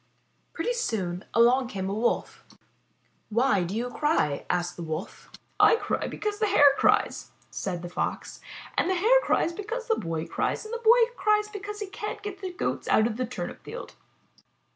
Pretty soon along came a Wolf. 'Why do you cry?'' asked the Wolf. '*I cry because the Hare cries/' said the Fox, ''and the Hare cries because the Boy cries, and the Boy cries because he can't get the Goats out of the turnip field."